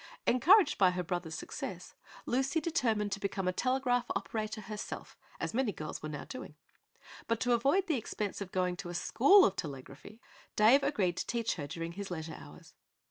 Encouraged by her brother's success, Lucy determined to become a telegraph operator herself, as many girls are now doing; but to avoid the expense of going to a school of telegraphy Dave agreed to teach her during his leisure hours.